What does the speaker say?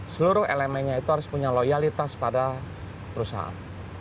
seluruh elemennya itu harus punya loyalitas pada perusahaan